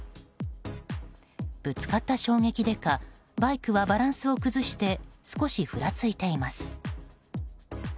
ぶつかった衝撃でかバイクはバランスを崩して少しふらついています。